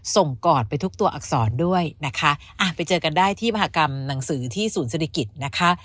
กอดไปทุกตัวอักษรด้วยนะคะอ่ะไปเจอกันได้ที่มหากรรมหนังสือที่ศูนย์เศรษฐกิจนะคะ